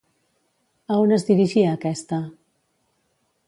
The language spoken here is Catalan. A on es dirigia aquesta?